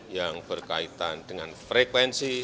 yang berkaitan dengan frekuensi